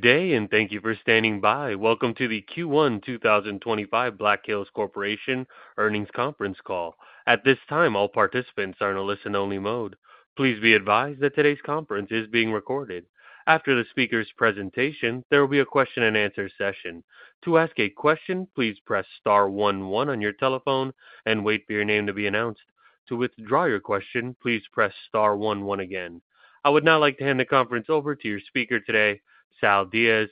Good day, and thank you for standing by. Welcome to the Q1 2025 Black Hills Corporation Earnings Conference Call. At this time, all participants are in a listen-only mode. Please be advised that today's conference is being recorded. After the speaker's presentation, there will be a question-and-answer session. To ask a question, please press star 11 on your telephone and wait for your name to be announced. To withdraw your question, please press star 11 again. I would now like to hand the conference over to your speaker today, Sal Diaz,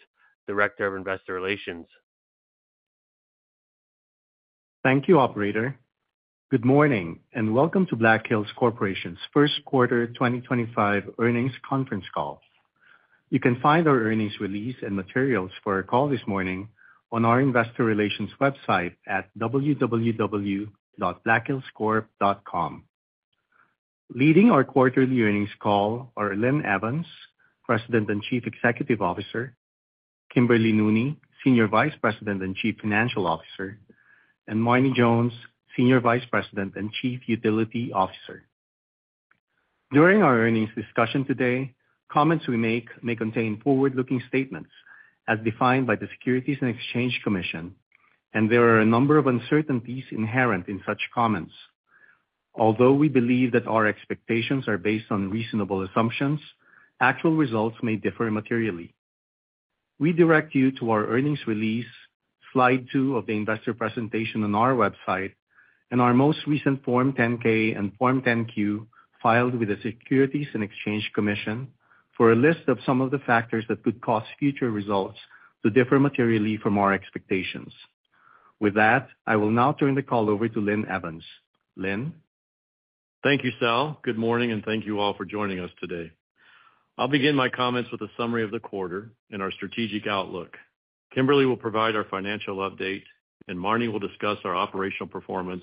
Director of Investor Relations. Thank you, Operator. Good morning, and welcome to Black Hills Corporation's first quarter 2025 earnings conference call. You can find our earnings release and materials for our call this morning on our Investor Relations website at www.blackhillscorp.com. Leading our quarterly earnings call are Linn Evans, President and Chief Executive Officer; Kimberly Nooney, Senior Vice President and Chief Financial Officer; and Marne Jones, Senior Vice President and Chief Utility Officer. During our earnings discussion today, comments we make may contain forward-looking statements, as defined by the Securities and Exchange Commission, and there are a number of uncertainties inherent in such comments. Although we believe that our expectations are based on reasonable assumptions, actual results may differ materially. We direct you to our earnings release, slide two of the investor presentation on our website, and our most recent Form 10-K and Form 10-Q filed with the Securities and Exchange Commission for a list of some of the factors that could cause future results to differ materially from our expectations. With that, I will now turn the call over to Linn Evans. Linn. Thank you, Sal. Good morning, and thank you all for joining us today. I'll begin my comments with a summary of the quarter and our strategic outlook. Kimberly will provide our financial update, and Marne will discuss our operational performance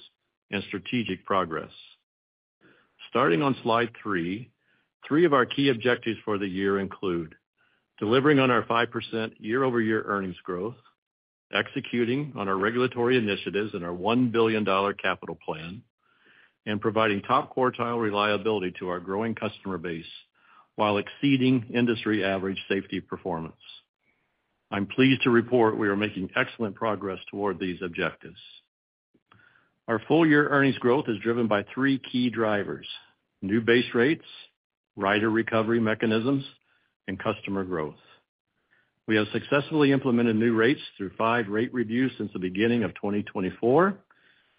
and strategic progress. Starting on slide three, three of our key objectives for the year include delivering on our 5% year-over-year earnings growth, executing on our regulatory initiatives and our $1 billion capital plan, and providing top quartile reliability to our growing customer base while exceeding industry-average safety performance. I'm pleased to report we are making excellent progress toward these objectives. Our full-year earnings growth is driven by three key drivers: new base rates, rider recovery mechanisms, and customer growth. We have successfully implemented new rates through five rate reviews since the beginning of 2024,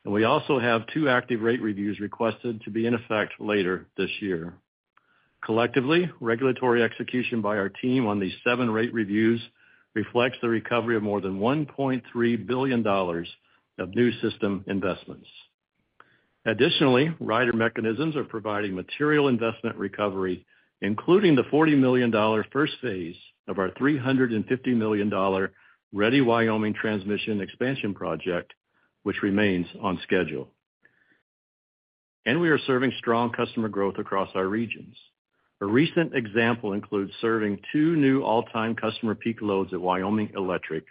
and we also have two active rate reviews requested to be in effect later this year. Collectively, regulatory execution by our team on these seven rate reviews reflects the recovery of more than $1.3 billion of new system investments. Additionally, rider mechanisms are providing material investment recovery, including the $40 million first phase of our $350 million Ready Wyoming Transmission Expansion Project, which remains on schedule. We are serving strong customer growth across our regions. A recent example includes serving two new all-time customer peak loads at Wyoming Electric,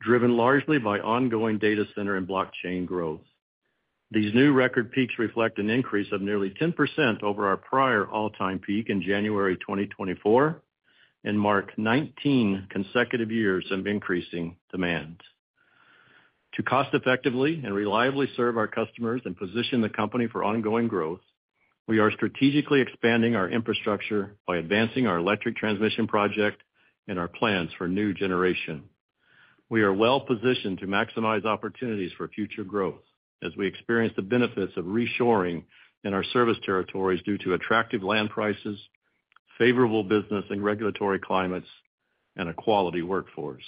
driven largely by ongoing data center and blockchain growth. These new record peaks reflect an increase of nearly 10% over our prior all-time peak in January 2024 and mark 19 consecutive years of increasing demand. To cost-effectively and reliably serve our customers and position the company for ongoing growth, we are strategically expanding our infrastructure by advancing our electric transmission project and our plans for new generation. We are well-positioned to maximize opportunities for future growth as we experience the benefits of reshoring in our service territories due to attractive land prices, favorable business and regulatory climates, and a quality workforce.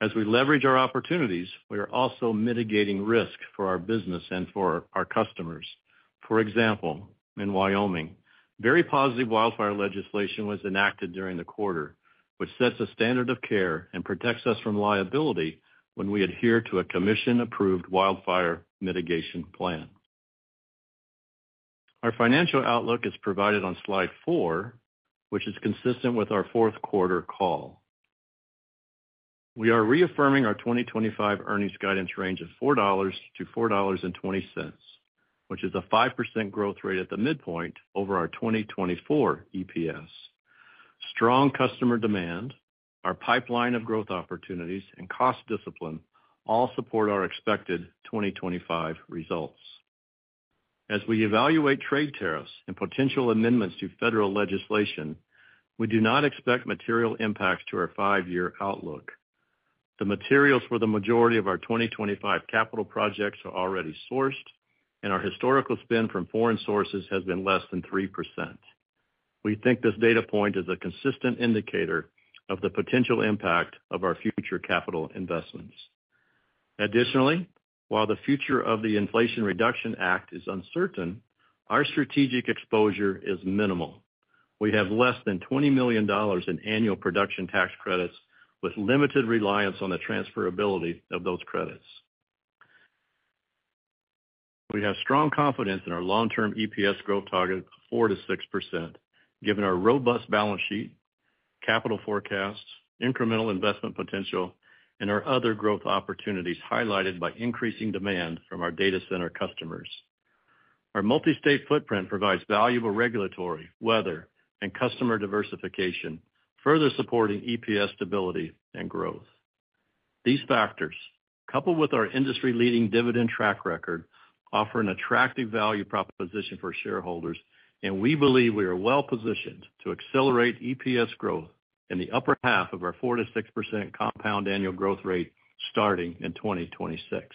As we leverage our opportunities, we are also mitigating risk for our business and for our customers. For example, in Wyoming, very positive wildfire legislation was enacted during the quarter, which sets a standard of care and protects us from liability when we adhere to a commission-approved wildfire mitigation plan. Our financial outlook is provided on slide four, which is consistent with our fourth quarter call. We are reaffirming our 2025 earnings guidance range of $4-$4.20, which is a 5% growth rate at the midpoint over our 2024 EPS. Strong customer demand, our pipeline of growth opportunities, and cost discipline all support our expected 2025 results. As we evaluate trade tariffs and potential amendments to federal legislation, we do not expect material impacts to our five-year outlook. The materials for the majority of our 2025 capital projects are already sourced, and our historical spend from foreign sources has been less than 3%. We think this data point is a consistent indicator of the potential impact of our future capital investments. Additionally, while the future of the Inflation Reduction Act is uncertain, our strategic exposure is minimal. We have less than $20 million in annual production tax credits with limited reliance on the transferability of those credits. We have strong confidence in our long-term EPS growth target of 4%- 6%, given our robust balance sheet, capital forecasts, incremental investment potential, and our other growth opportunities highlighted by increasing demand from our data center customers. Our multi-state footprint provides valuable regulatory, weather, and customer diversification, further supporting EPS stability and growth. These factors, coupled with our industry-leading dividend track record, offer an attractive value proposition for shareholders, and we believe we are well-positioned to accelerate EPS growth in the upper half of our 4%-6% compound annual growth rate starting in 2026.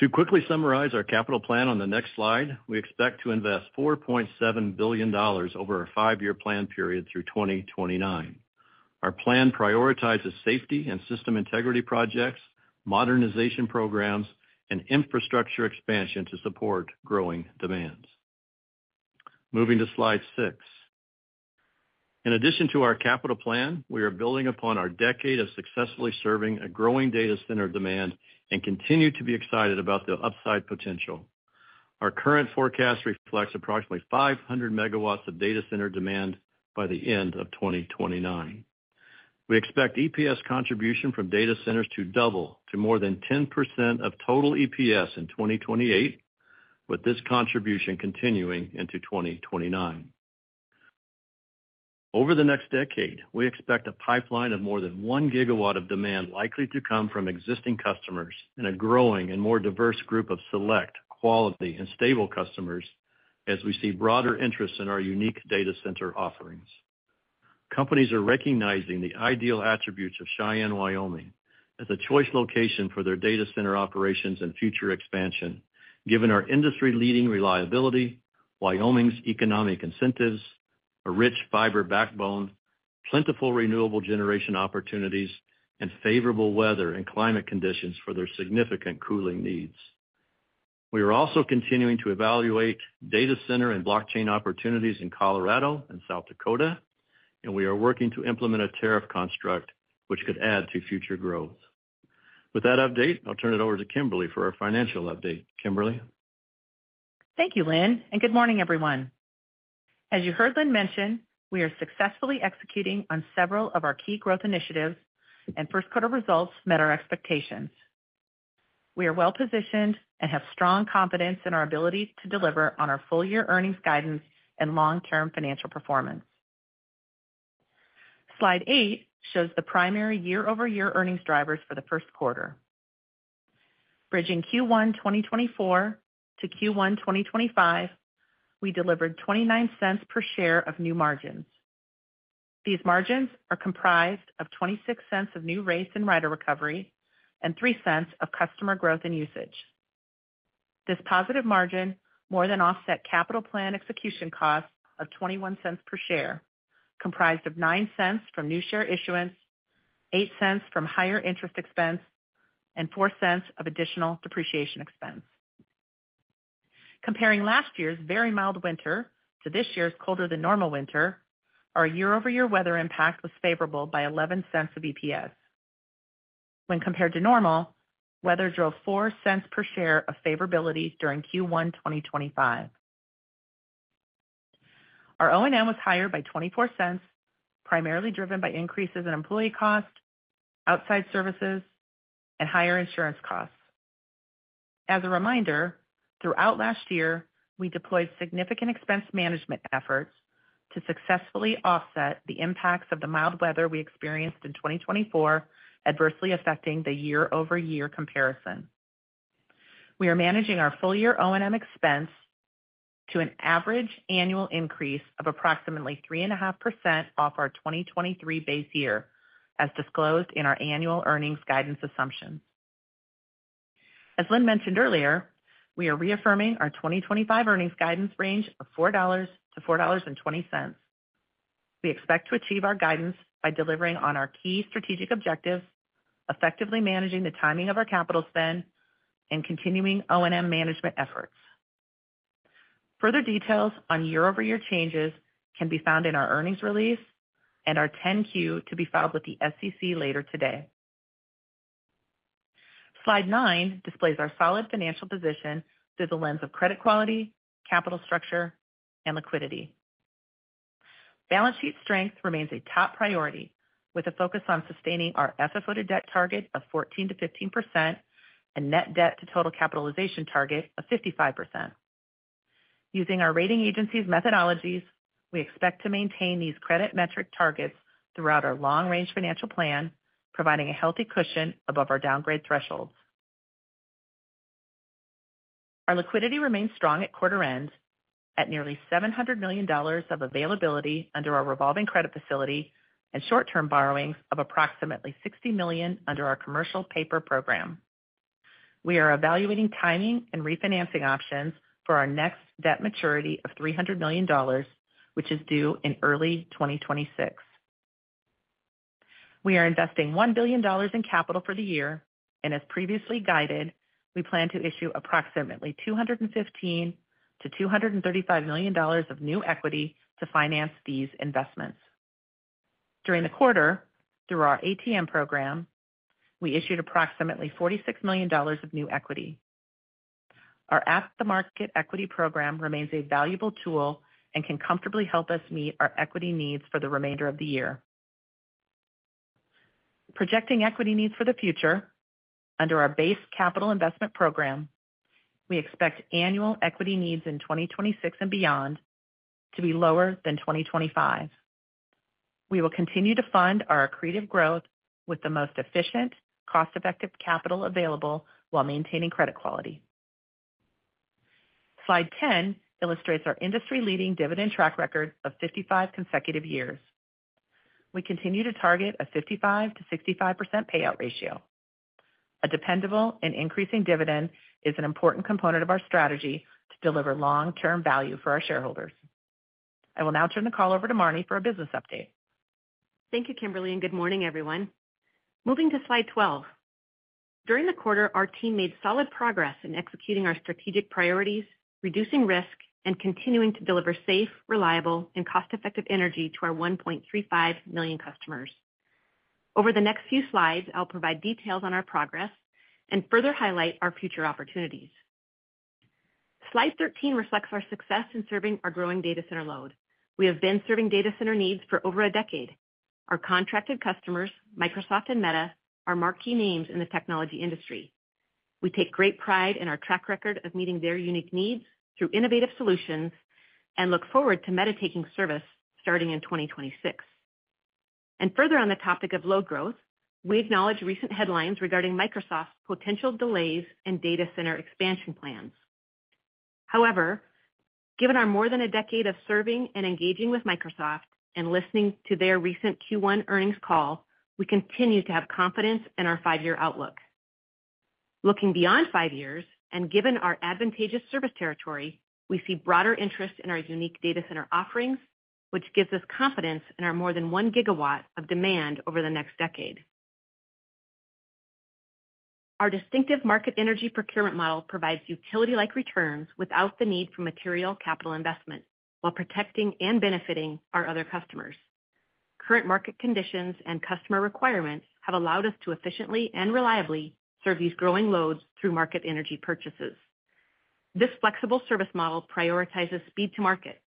To quickly summarize our capital plan on the next slide, we expect to invest $4.7 billion over our five-year plan period through 2029. Our plan prioritizes safety and system integrity projects, modernization programs, and infrastructure expansion to support growing demands. Moving to slide six. In addition to our capital plan, we are building upon our decade of successfully serving a growing data center demand and continue to be excited about the upside potential. Our current forecast reflects approximately 500 MW of data center demand by the end of 2029. We expect EPS contribution from data centers to double to more than 10% of total EPS in 2028, with this contribution continuing into 2029. Over the next decade, we expect a pipeline of more than 1 GW of demand likely to come from existing customers and a growing and more diverse group of select, quality, and stable customers as we see broader interest in our unique data center offerings. Companies are recognizing the ideal attributes of Cheyenne, Wyoming, as a choice location for their data center operations and future expansion, given our industry-leading reliability, Wyoming's economic incentives, a rich fiber backbone, plentiful renewable generation opportunities, and favorable weather and climate conditions for their significant cooling needs. We are also continuing to evaluate data center and blockchain opportunities in Colorado and South Dakota, and we are working to implement a tariff construct which could add to future growth. With that update, I'll turn it over to Kimberly for our financial update. Kimberly. Thank you, Linn, and good morning, everyone. As you heard Linn mention, we are successfully executing on several of our key growth initiatives, and first-quarter results met our expectations. We are well-positioned and have strong confidence in our ability to deliver on our full-year earnings guidance and long-term financial performance. Slide eight shows the primary year-over-year earnings drivers for the first quarter. Bridging Q1 2024 to Q1 2025, we delivered $0.29 per share of new margins. These margins are comprised of $0.26 of new rates and rider recovery and $0.03 of customer growth and usage. This positive margin more than offsets capital plan execution costs of $0.21 per share, comprised of $0.09 from new share issuance, $0.08 from higher interest expense, and $0.04 of additional depreciation expense. Comparing last year's very mild winter to this year's colder-than-normal winter, our year-over-year weather impact was favorable by $0.11 of EPS. When compared to normal, weather drove $0.04 per share of favorability during Q1 2025. Our O&M was higher by $0.24, primarily driven by increases in employee costs, outside services, and higher insurance costs. As a reminder, throughout last year, we deployed significant expense management efforts to successfully offset the impacts of the mild weather we experienced in 2024, adversely affecting the year-over-year comparison. We are managing our full-year O&M expense to an average annual increase of approximately 3.5% off our 2023 base year, as disclosed in our annual earnings guidance assumptions. As Linn mentioned earlier, we are reaffirming our 2025 earnings guidance range of $4-$4.20. We expect to achieve our guidance by delivering on our key strategic objectives, effectively managing the timing of our capital spend, and continuing O&M management efforts. Further details on year-over-year changes can be found in our earnings release and our 10-Q to be filed with the SEC later today. Slide nine displays our solid financial position through the lens of credit quality, capital structure, and liquidity. Balance sheet strength remains a top priority, with a focus on sustaining our FFO to debt target of 14%-15% and net debt to total capitalization target of 55%. Using our rating agency's methodologies, we expect to maintain these credit metric targets throughout our long-range financial plan, providing a healthy cushion above our downgrade thresholds. Our liquidity remains strong at quarter end, at nearly $700 million of availability under our revolving credit facility and short-term borrowings of approximately $60 million under our commercial paper program. We are evaluating timing and refinancing options for our next debt maturity of $300 million, which is due in early 2026. We are investing $1 billion in capital for the year, and as previously guided, we plan to issue approximately $215 million-$235 million of new equity to finance these investments. During the quarter, through our ATM program, we issued approximately $46 million of new equity. Our at-the-market equity program remains a valuable tool and can comfortably help us meet our equity needs for the remainder of the year. Projecting equity needs for the future, under our base capital investment program, we expect annual equity needs in 2026 and beyond to be lower than 2025. We will continue to fund our accretive growth with the most efficient, cost-effective capital available while maintaining credit quality. Slide 10 illustrates our industry-leading dividend track record of 55 consecutive years. We continue to target a 55%-65% payout ratio. A dependable and increasing dividend is an important component of our strategy to deliver long-term value for our shareholders. I will now turn the call over to Marne for a business update. Thank you, Kimberly, and good morning, everyone. Moving to slide 12. During the quarter, our team made solid progress in executing our strategic priorities, reducing risk, and continuing to deliver safe, reliable, and cost-effective energy to our 1.35 million customers. Over the next few slides, I'll provide details on our progress and further highlight our future opportunities. Slide 13 reflects our success in serving our growing data center load. We have been serving data center needs for over a decade. Our contracted customers, Microsoft and Meta, are marquee names in the technology industry. We take great pride in our track record of meeting their unique needs through innovative solutions and look forward to Meta taking service starting in 2026. Further on the topic of load growth, we acknowledge recent headlines regarding Microsoft's potential delays in data center expansion plans. However, given our more than a decade of serving and engaging with Microsoft and listening to their recent Q1 earnings call, we continue to have confidence in our five-year outlook. Looking beyond five years and given our advantageous service territory, we see broader interest in our unique data center offerings, which gives us confidence in our more than 1 GW of demand over the next decade. Our distinctive market energy procurement model provides utility-like returns without the need for material capital investment while protecting and benefiting our other customers. Current market conditions and customer requirements have allowed us to efficiently and reliably serve these growing loads through market energy purchases. This flexible service model prioritizes speed to market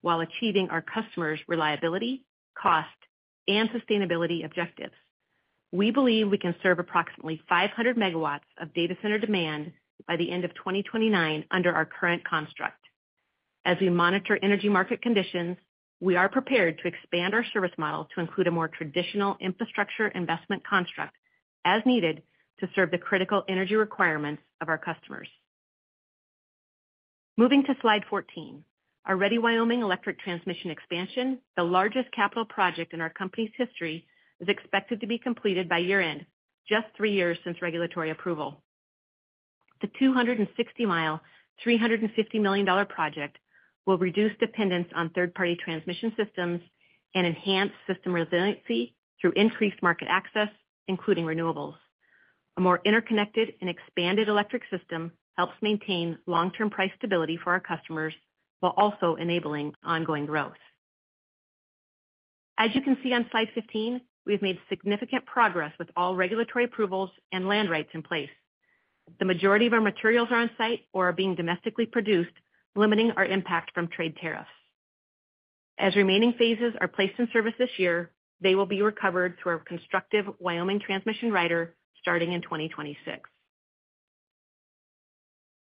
while achieving our customers' reliability, cost, and sustainability objectives. We believe we can serve approximately 500 MW of data center demand by the end of 2029 under our current construct. As we monitor energy market conditions, we are prepared to expand our service model to include a more traditional infrastructure investment construct as needed to serve the critical energy requirements of our customers. Moving to slide 14, our Ready Wyoming electric transmission expansion, the largest capital project in our company's history, is expected to be completed by year-end, just three years since regulatory approval. The 260 mi, $350 million project will reduce dependence on third-party transmission systems and enhance system resiliency through increased market access, including renewables. A more interconnected and expanded electric system helps maintain long-term price stability for our customers while also enabling ongoing growth. As you can see on slide 15, we have made significant progress with all regulatory approvals and land rights in place. The majority of our materials are on site or are being domestically produced, limiting our impact from trade tariffs. As remaining phases are placed in service this year, they will be recovered through our constructive Wyoming transmission rider starting in 2026.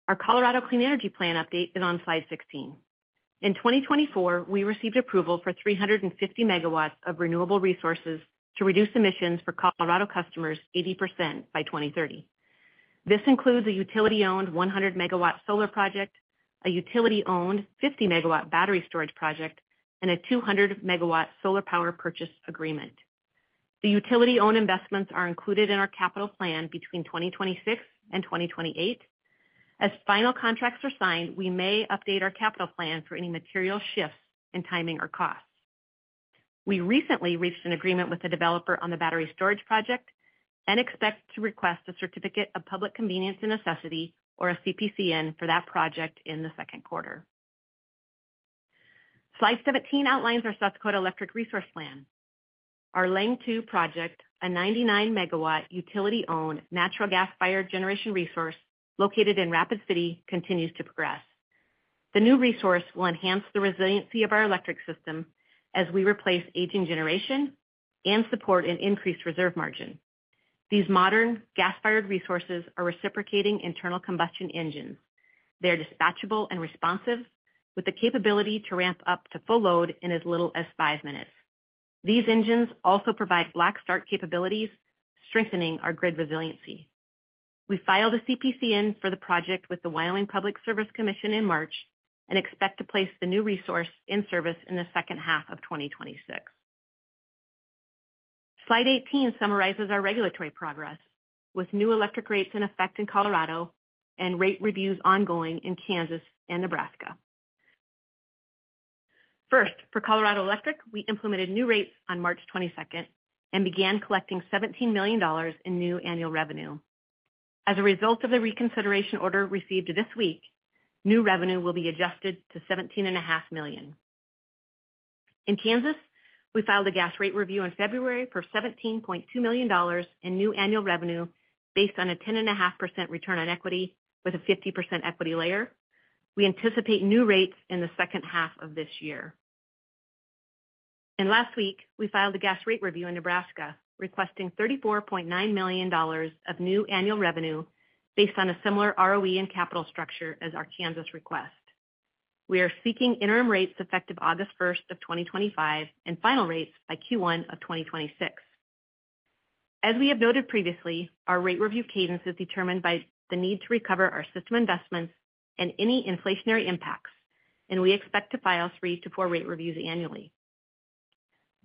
Our Colorado Clean Energy Plan update is on slide 16. In 2024, we received approval for 350 MW of renewable resources to reduce emissions for Colorado customers 80% by 2030. This includes a utility-owned 100 MW solar project, a utility-owned 50 MW battery storage project, and a 200 MW solar power purchase agreement. The utility-owned investments are included in our capital plan between 2026 and 2028. As final contracts are signed, we may update our capital plan for any material shifts in timing or costs. We recently reached an agreement with the developer on the battery storage project and expect to request a Certificate of Public Convenience and Necessity, or a CPCN, for that project in the second quarter. Slide 17 outlines our South Dakota Electric Resource Plan. Our Leng 2 project, a 99 MW utility-owned natural gas-fired generation resource located in Rapid City, continues to progress. The new resource will enhance the resiliency of our electric system as we replace aging generation and support an increased reserve margin. These modern gas-fired resources are reciprocating internal combustion engines. They are dispatchable and responsive, with the capability to ramp up to full load in as little as five minutes. These engines also provide black start capabilities, strengthening our grid resiliency. We filed a CPCN for the project with the Wyoming Public Service Commission in March and expect to place the new resource in service in the second half of 2026. Slide 18 summarizes our regulatory progress with new electric rates in effect in Colorado and rate reviews ongoing in Kansas and Nebraska. First, for Colorado Electric, we implemented new rates on March 22nd and began collecting $17 million in new annual revenue. As a result of the reconsideration order received this week, new revenue will be adjusted to $17.5 million. In Kansas, we filed a gas rate review in February for $17.2 million in new annual revenue based on a 10.5% return on equity with a 50% equity layer. We anticipate new rates in the second half of this year. Last week, we filed a gas rate review in Nebraska requesting $34.9 million of new annual revenue based on a similar ROE and capital structure as our Kansas request. We are seeking interim rates effective August 1st of 2025 and final rates by Q1 of 2026. As we have noted previously, our rate review cadence is determined by the need to recover our system investments and any inflationary impacts, and we expect to file three to four rate reviews annually.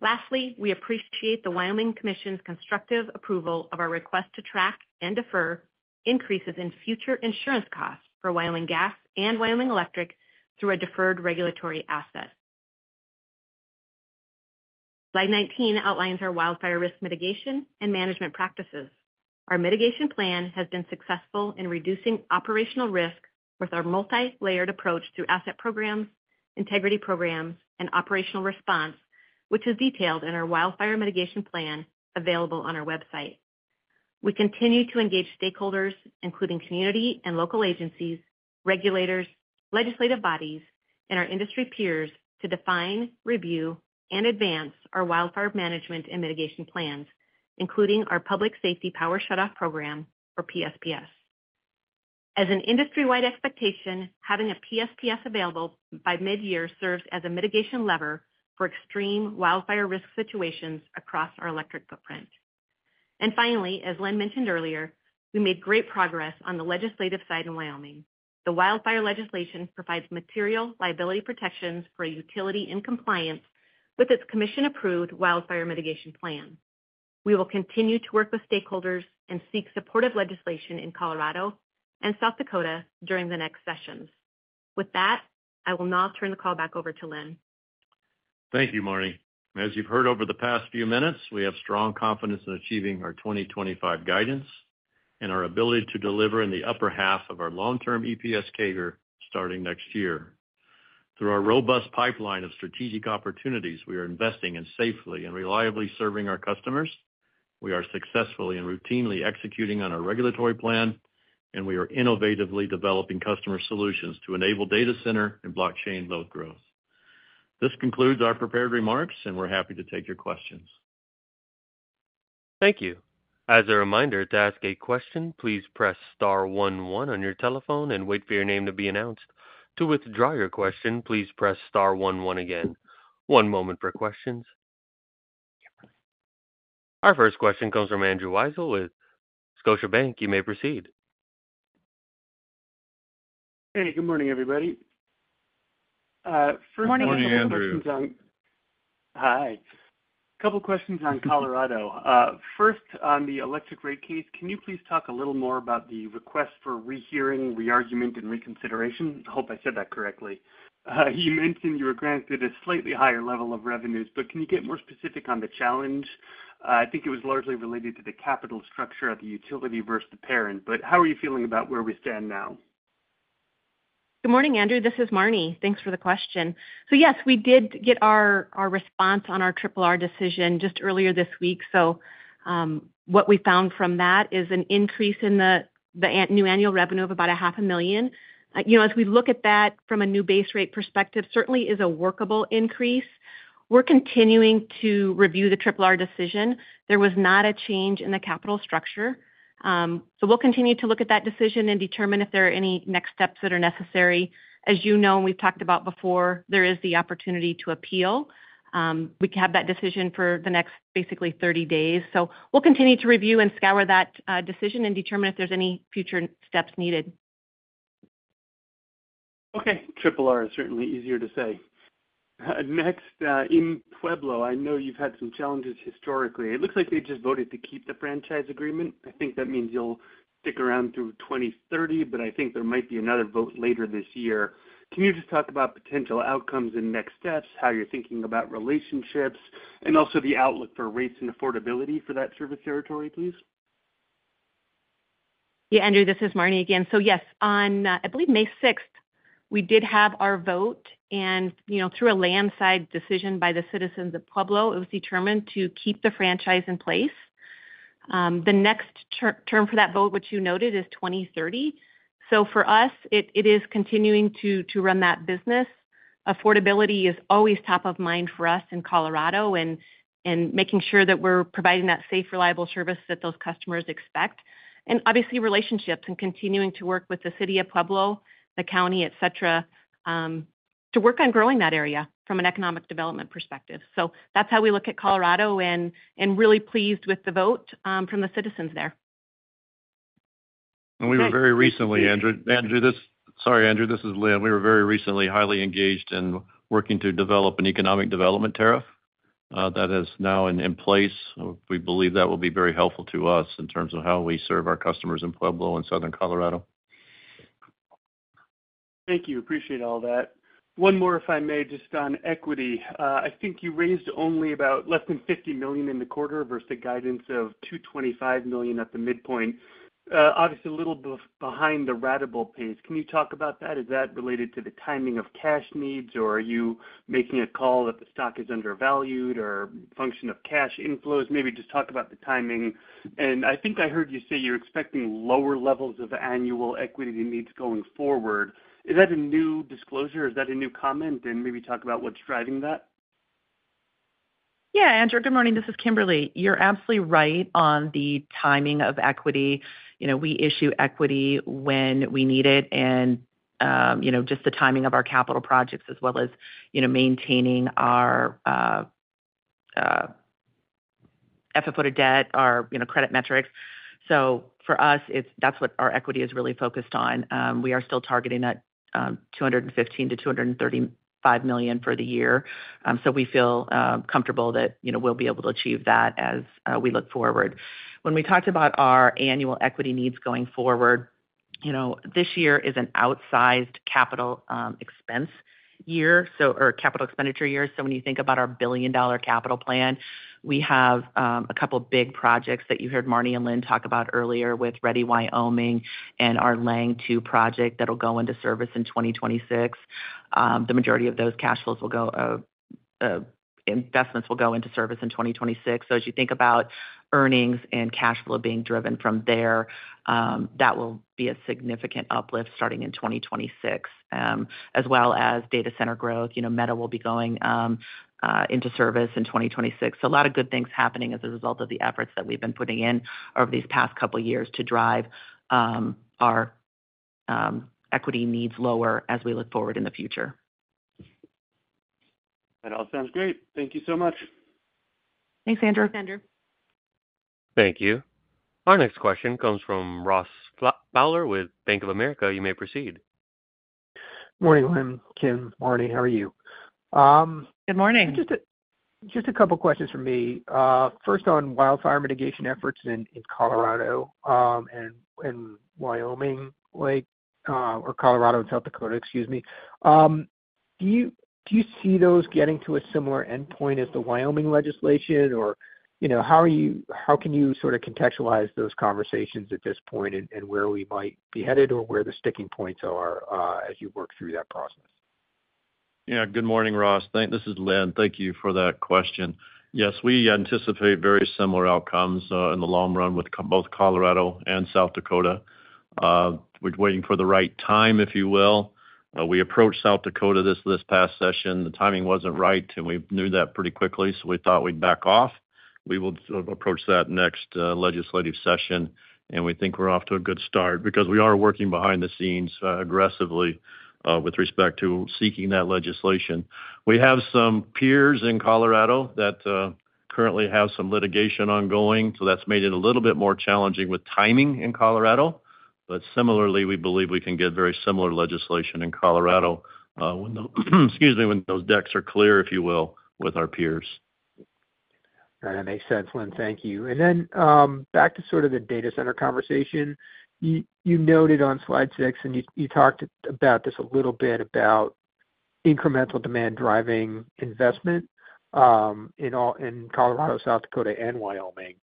Lastly, we appreciate the Wyoming Commission's constructive approval of our request to track and defer increases in future insurance costs for Wyoming Gas and Wyoming Electric through a deferred regulatory asset. Slide 19 outlines our wildfire risk mitigation and management practices. Our mitigation plan has been successful in reducing operational risk with our multi-layered approach through asset programs, integrity programs, and operational response, which is detailed in our wildfire mitigation plan available on our website. We continue to engage stakeholders, including community and local agencies, regulators, legislative bodies, and our industry peers to define, review, and advance our wildfire management and mitigation plans, including our public safety power shutoff program, or PSPS. As an industry-wide expectation, having a PSPS available by mid-year serves as a mitigation lever for extreme wildfire risk situations across our electric footprint. Finally, as Linn mentioned earlier, we made great progress on the legislative side in Wyoming. The wildfire legislation provides material liability protections for utility and compliance with its commission-approved wildfire mitigation plan. We will continue to work with stakeholders and seek supportive legislation in Colorado and South Dakota during the next sessions. With that, I will now turn the call back over to Linn. Thank you, Marne. As you've heard over the past few minutes, we have strong confidence in achieving our 2025 guidance and our ability to deliver in the upper half of our long-term EPS CAGR starting next year. Through our robust pipeline of strategic opportunities, we are investing in safely and reliably serving our customers. We are successfully and routinely executing on our regulatory plan, and we are innovatively developing customer solutions to enable data center and blockchain load growth. This concludes our prepared remarks, and we're happy to take your questions. Thank you. As a reminder, to ask a question, please press star 11 on your telephone and wait for your name to be announced. To withdraw your question, please press star 11 again. One moment for questions. Our first question comes from Andrew Weisel with Scotiabank. You may proceed. Hey, good morning, everybody. Good morning, Andrew. Hi. A couple of questions on Colorado. First, on the electric rate case, can you please talk a little more about the request for rehearing, re-argument, and reconsideration? I hope I said that correctly. You mentioned you were granted a slightly higher level of revenues, but can you get more specific on the challenge? I think it was largely related to the capital structure of the utility versus the parent. How are you feeling about where we stand now? Good morning, Andrew. This is Marne. Thanks for the question. Yes, we did get our response on our Triple-R decision just earlier this week. What we found from that is an increase in the new annual revenue of about $500,000. As we look at that from a new base rate perspective, it certainly is a workable increase. We're continuing to review the Triple-R decision. There was not a change in the capital structure. We'll continue to look at that decision and determine if there are any next steps that are necessary. As you know, and we've talked about before, there is the opportunity to appeal. We can have that decision for the next basically 30 days. We'll continue to review and scour that decision and determine if there's any future steps needed. Okay. Triple-R is certainly easier to say. Next, in Pueblo, I know you've had some challenges historically. It looks like they just voted to keep the franchise agreement. I think that means you'll stick around through 2030, but I think there might be another vote later this year. Can you just talk about potential outcomes and next steps, how you're thinking about relationships, and also the outlook for rates and affordability for that service territory, please? Yeah, Andrew, this is Marne again. Yes, on, I believe, May 6th, we did have our vote, and through a landslide decision by the citizens of Pueblo, it was determined to keep the franchise in place. The next term for that vote, which you noted, is 2030. For us, it is continuing to run that business. Affordability is always top of mind for us in Colorado and making sure that we're providing that safe, reliable service that those customers expect. Obviously, relationships and continuing to work with the city of Pueblo, the county, etc., to work on growing that area from an economic development perspective. That is how we look at Colorado and really pleased with the vote from the citizens there. We were very recently, Andrew, this—sorry, Andrew, this is Linn. We were very recently highly engaged in working to develop an economic development tariff that is now in place. We believe that will be very helpful to us in terms of how we serve our customers in Pueblo and Southern Colorado. Thank you. Appreciate all that. One more, if I may, just on equity. I think you raised only about less than $50 million in the quarter versus the guidance of $225 million at the midpoint. Obviously, a little behind the ratable pace. Can you talk about that? Is that related to the timing of cash needs, or are you making a call that the stock is undervalued or a function of cash inflows? Maybe just talk about the timing. I think I heard you say you're expecting lower levels of annual equity needs going forward. Is that a new disclosure? Is that a new comment? Maybe talk about what's driving that. Yeah, Andrew, good morning. This is Kimberly. You're absolutely right on the timing of equity. We issue equity when we need it and just the timing of our capital projects as well as maintaining our FFO to debt, our credit metrics. For us, that's what our equity is really focused on. We are still targeting that $215 million-$235 million for the year. We feel comfortable that we'll be able to achieve that as we look forward. When we talked about our annual equity needs going forward, this year is an outsized capital expense year or capital expenditure year. When you think about our billion-dollar capital plan, we have a couple of big projects that you heard Marne and Linn talk about earlier with Ready Wyoming and our Leng 2 project that'll go into service in 2026. The majority of those cash flows will go, investments will go into service in 2026. As you think about earnings and cash flow being driven from there, that will be a significant uplift starting in 2026, as well as data center growth. Meta will be going into service in 2026. A lot of good things are happening as a result of the efforts that we have been putting in over these past couple of years to drive our equity needs lower as we look forward in the future. That all sounds great. Thank you so much. Thanks, Andrew. Thank you. Thank you. Our next question comes from Ross Fowler with Bank of America. You may proceed. Morning, Linn, Kim, Marne, how are you? Good morning. Just a couple of questions for me. First, on wildfire mitigation efforts in Colorado and Wyoming or Colorado and South Dakota, excuse me. Do you see those getting to a similar endpoint as the Wyoming legislation, or how can you sort of contextualize those conversations at this point and where we might be headed or where the sticking points are as you work through that process? Yeah. Good morning, Ross. This is Linn. Thank you for that question. Yes, we anticipate very similar outcomes in the long run with both Colorado and South Dakota. We're waiting for the right time, if you will. We approached South Dakota this past session. The timing wasn't right, and we knew that pretty quickly, so we thought we'd back off. We will approach that next legislative session, and we think we're off to a good start because we are working behind the scenes aggressively with respect to seeking that legislation. We have some peers in Colorado that currently have some litigation ongoing, so that's made it a little bit more challenging with timing in Colorado. Similarly, we believe we can get very similar legislation in Colorado when those, excuse me, when those decks are clear, if you will, with our peers. That makes sense, Linn. Thank you. Then back to sort of the data center conversation. You noted on slide six, and you talked about this a little bit, about incremental demand driving investment in Colorado, South Dakota, and Wyoming.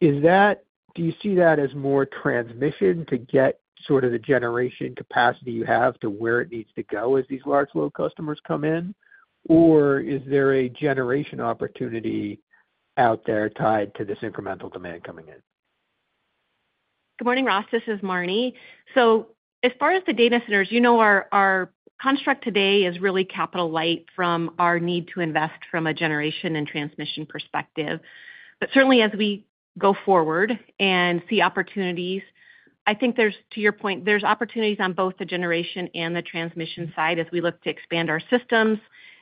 Do you see that as more transmission to get sort of the generation capacity you have to where it needs to go as these large load customers come in, or is there a generation opportunity out there tied to this incremental demand coming in? Good morning, Ross. This is Marne. As far as the data centers, our construct today is really capital light from our need to invest from a generation and transmission perspective. Certainly, as we go forward and see opportunities, I think, to your point, there are opportunities on both the generation and the transmission side as we look to expand our systems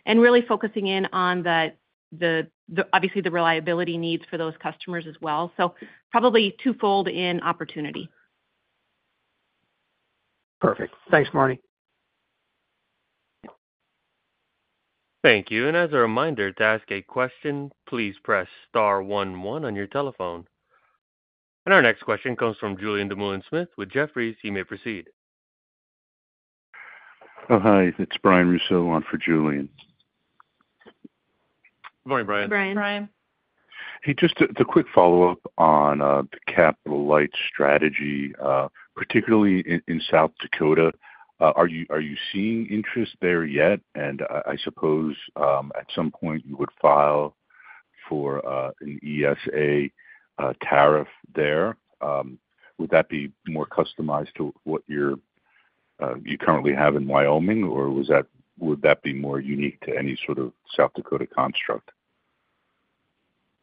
and really focusing in on, obviously, the reliability needs for those customers as well. Probably twofold in opportunity. Perfect. Thanks, Marne. Thank you. As a reminder, to ask a question, please press star 11 on your telephone. Our next question comes from Julien Dumoulin-Smith with Jefferies. You may proceed. Hi, it's Brian Russo for Julien. Good morning, Brian. Hey, Brian. Hey, Brian. Hey, just a quick follow-up on capital light strategy, particularly in South Dakota. Are you seeing interest there yet? I suppose at some point you would file for an ESA tariff there. Would that be more customized to what you currently have in Wyoming, or would that be more unique to any sort of South Dakota construct?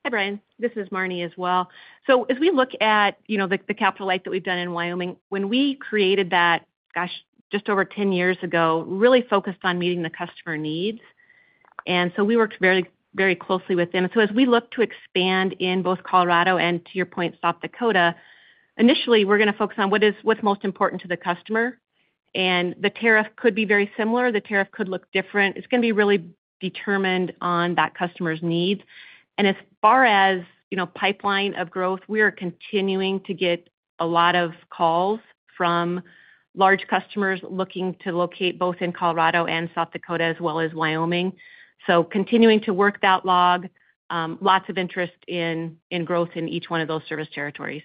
Hi, Brian. This is Marne as well. As we look at the capital light that we've done in Wyoming, when we created that, gosh, just over 10 years ago, really focused on meeting the customer needs. We worked very, very closely with them. As we look to expand in both Colorado and, to your point, South Dakota, initially, we're going to focus on what's most important to the customer. The tariff could be very similar. The tariff could look different. It's going to be really determined on that customer's needs. As far as pipeline of growth, we are continuing to get a lot of calls from large customers looking to locate both in Colorado and South Dakota as well as Wyoming. Continuing to work that log, lots of interest in growth in each one of those service territories.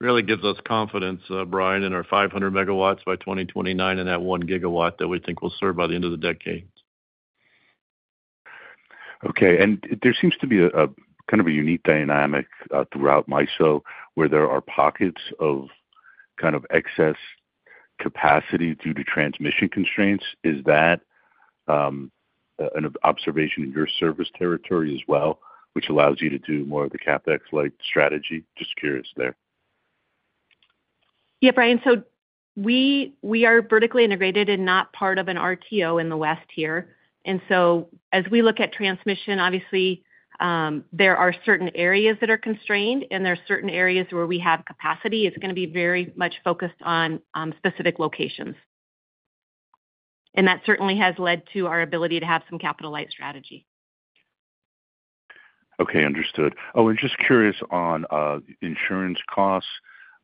Really gives us confidence, Brian, in our 500 MW by 2029 and that 1 MW that we think will serve by the end of the decade. Okay. There seems to be a kind of a unique dynamic throughout MISO where there are pockets of kind of excess capacity due to transmission constraints. Is that an observation in your service territory as well, which allows you to do more of the CapEx light strategy? Just curious there. Yeah, Brian. We are vertically integrated and not part of an RTO in the west here. As we look at transmission, obviously, there are certain areas that are constrained, and there are certain areas where we have capacity. It's going to be very much focused on specific locations. That certainly has led to our ability to have some capital light strategy. Okay. Understood. Oh, and just curious on insurance costs.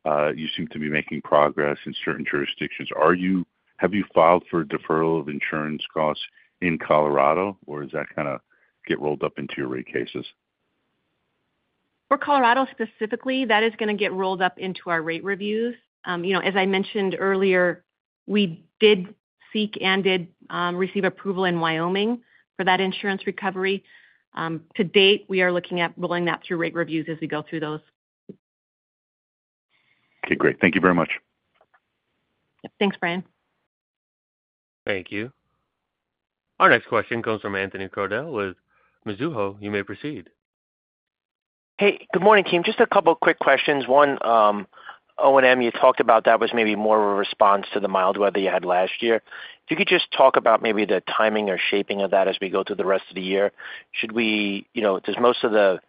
You seem to be making progress in certain jurisdictions. Have you filed for a deferral of insurance costs in Colorado, or does that kind of get rolled up into your rate cases? For Colorado specifically, that is going to get rolled up into our rate reviews. As I mentioned earlier, we did seek and did receive approval in Wyoming for that insurance recovery. To date, we are looking at rolling that through rate reviews as we go through those. Okay. Great. Thank you very much. Thanks, Brian. Thank you. Our next question comes from Anthony Crowdell with Mizuho. You may proceed. Hey, good morning, Kim. Just a couple of quick questions. One, O&M, you talked about that was maybe more of a response to the mild weather you had last year. If you could just talk about maybe the timing or shaping of that as we go through the rest of the year, should we—does most of the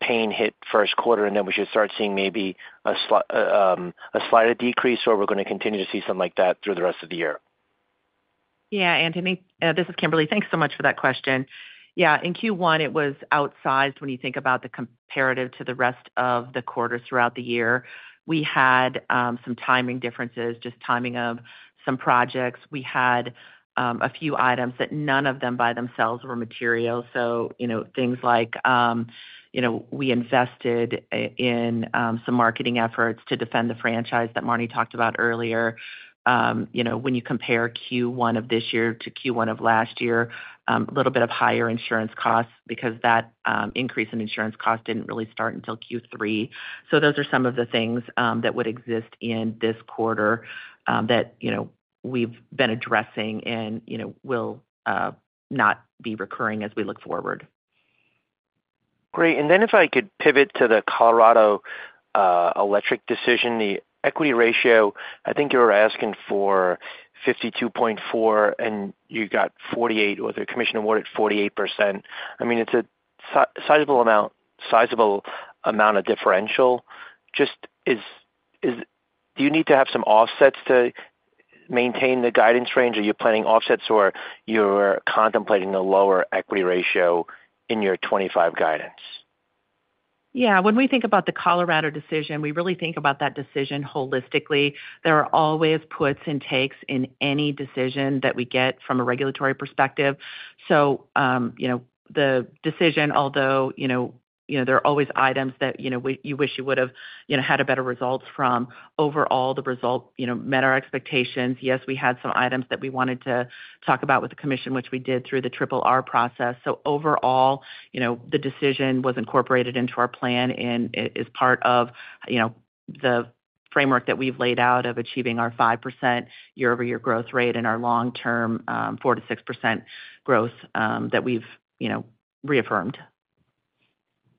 pain hit first quarter, and then we should start seeing maybe a slight decrease, or are we going to continue to see something like that through the rest of the year? Yeah. Anthony, this is Kimberly. Thanks so much for that question. Yeah. In Q1, it was outsized when you think about the comparative to the rest of the quarters throughout the year. We had some timing differences, just timing of some projects. We had a few items that none of them by themselves were material. Things like we invested in some marketing efforts to defend the franchise that Marne talked about earlier. When you compare Q1 of this year to Q1 of last year, a little bit of higher insurance costs because that increase in insurance costs did not really start until Q3. Those are some of the things that would exist in this quarter that we have been addressing and will not be recurring as we look forward. Great. If I could pivot to the Colorado electric decision, the equity ratio, I think you were asking for 52.4%, and you got 48% or the commission awarded 48%. I mean, it's a sizable amount of differential. Just do you need to have some offsets to maintain the guidance range, or are you planning offsets, or are you contemplating a lower equity ratio in your 2025 guidance? Yeah. When we think about the Colorado decision, we really think about that decision holistically. There are always puts and takes in any decision that we get from a regulatory perspective. The decision, although there are always items that you wish you would have had a better result from, overall, the result met our expectations. Yes, we had some items that we wanted to talk about with the commission, which we did through the triple R process. Overall, the decision was incorporated into our plan and is part of the framework that we've laid out of achieving our 5% year-over-year growth rate and our long-term 4%-6% growth that we've reaffirmed.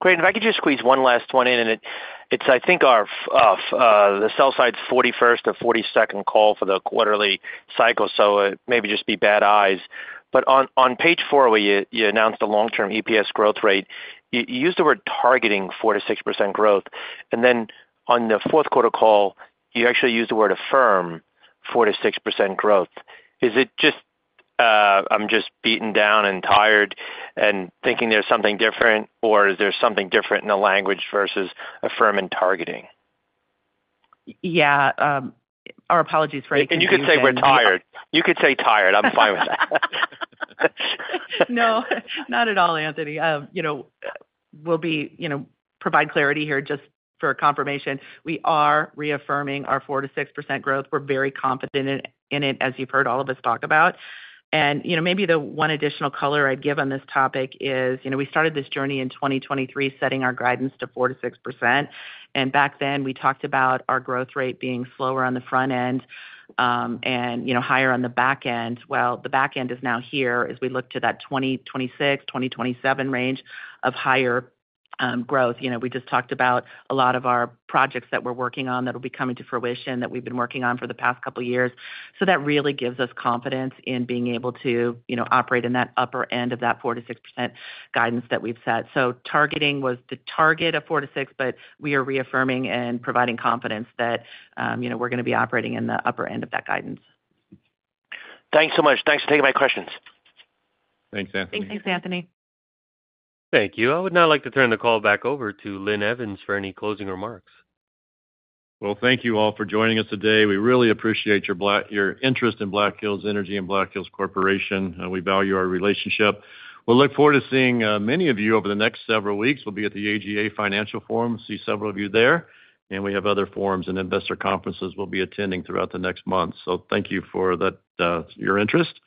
Great. If I could just squeeze one last one in, and it's, I think, the sell-side's 41st or 42nd call for the quarterly cycle, so it may just be bad eyes. On page four, you announced the long-term EPS growth rate. You used the word targeting 4%-6% growth. Then on the fourth quarter call, you actually used the word affirm 4%-6% growth. Is it just, "I'm just beaten down and tired and thinking there's something different," or is there something different in the language versus affirm and targeting? Yeah. Our apologies for any confusion. You could say we're tired. You could say tired. I'm fine with that. No, not at all, Anthony. We'll provide clarity here just for confirmation. We are reaffirming our 4%-6% growth. We're very confident in it, as you've heard all of us talk about. Maybe the one additional color I'd give on this topic is we started this journey in 2023 setting our guidance to 4%-6%. Back then, we talked about our growth rate being slower on the front end and higher on the back end. The back end is now here as we look to that 2026, 2027 range of higher growth. We just talked about a lot of our projects that we're working on that will be coming to fruition that we've been working on for the past couple of years. That really gives us confidence in being able to operate in that upper end of that 4-6% guidance that we've set. Targeting was the target of 4%-6%, but we are reaffirming and providing confidence that we're going to be operating in the upper end of that guidance. Thanks so much. Thanks for taking my questions. Thanks, Anthony. Thanks, Anthony. Thank you. I would now like to turn the call back over to Linn Evans for any closing remarks. Thank you all for joining us today. We really appreciate your interest in Black Hills Energy and Black Hills Corporation. We value our relationship. We look forward to seeing many of you over the next several weeks. We will be at the AGA Financial Forum. See several of you there. We have other forums and investor conferences we will be attending throughout the next month. Thank you for your interest,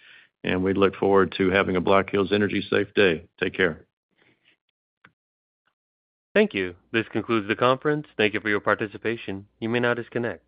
and we look forward to having a Black Hills Energy Safe Day. Take care. Thank you. This concludes the conference. Thank you for your participation. You may now disconnect.